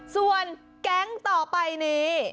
ส่วนแก๊งต่อไปนี้